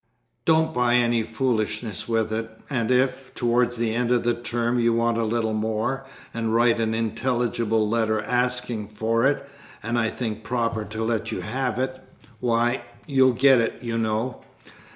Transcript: "Don't buy any foolishness with it, and if, towards the end of the term you want a little more, and write an intelligible letter asking for it, and I think proper to let you have it why, you'll get it, you know."